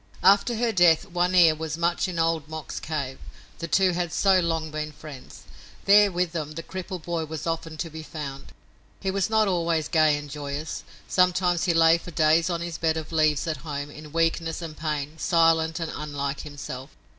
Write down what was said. After her death One Ear was much in Old Mok's cave, the two had so long been friends. There with them the crippled boy was often to be found. He was not always gay and joyous. Sometimes he lay for days on his bed of leaves at home, in weakness and pain, silent and unlike himself.